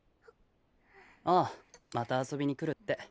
ああまた遊びに来るって。